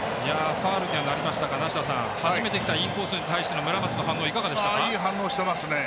ファウルにはなりましたが梨田さん初めてきたインコースに対しての村松の反応いい反応していますね。